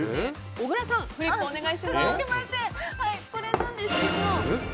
小倉さん、フリップお願いします。